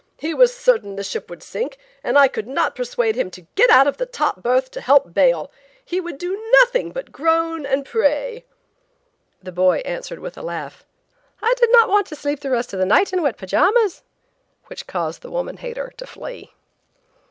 He was certain the ship would sink, and I could not persuade him to get out of the top berth to help bail. He would do nothing but groan and pray." The boy answered with a laugh, "I did not want to sleep the rest of the night in wet pajamas," which caused the woman hater to flee!